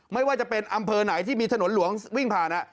ไม่ว่าจะเป็นอำเภอไหนที่มีถนนหลวงวิ่งผ่าน